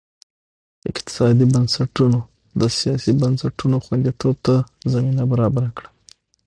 اقتصادي بنسټونو د سیاسي بنسټونو خوندیتوب ته زمینه برابره کړه.